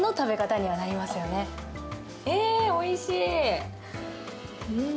えー、おいしい！